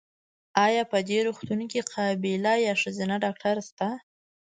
ایا په دي روغتون کې قابیله یا ښځېنه ډاکټره سته؟